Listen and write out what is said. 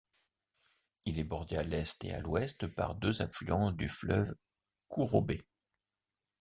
Il est bordé à l'est et à l'ouest par deux affluents du fleuve Kurobe.